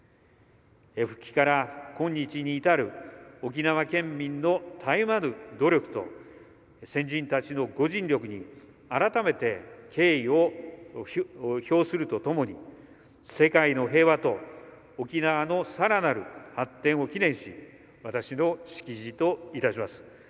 復帰から今日に至る沖縄県民のたゆまぬ努力と先人たちの御尽力に改めて敬意を表するとともに世界の平和と沖縄の更なる発展を祈念し、私の式辞といたします。